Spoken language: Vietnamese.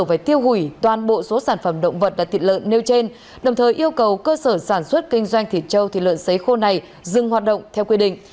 phải tiêu hủy toàn bộ số sản phẩm động vật thịt lợn nêu trên đồng thời yêu cầu cơ sở sản xuất kinh doanh thịt trâu thịt lợn xấy khô này dừng hoạt động theo quy định